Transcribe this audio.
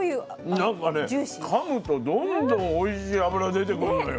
なんかねかむとどんどんおいしい脂出てくんのよ。